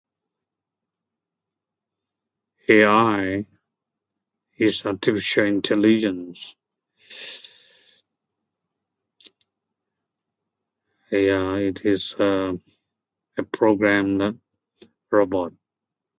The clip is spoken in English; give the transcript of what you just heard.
AI isn't showing intelligence. AI it is a programmed robot.